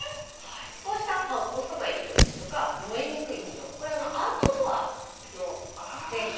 こうした刃を通さない糸ですとか燃えにくい糸これはアウトドアの製品などに。